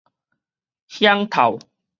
響透